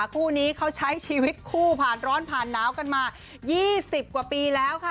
คู่นี้เขาใช้ชีวิตคู่ผ่านร้อนผ่านหนาวกันมา๒๐กว่าปีแล้วค่ะ